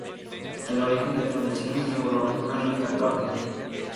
El origen de la lesión neurológica no está claro.